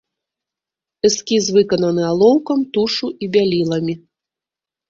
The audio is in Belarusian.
Эскіз выкананы алоўкам, тушу і бяліламі.